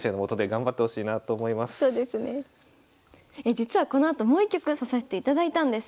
実はこのあともう一局指させていただいたんです。